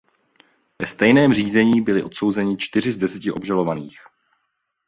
Ve stejném řízení byli odsouzeni čtyři z deseti obžalovaných.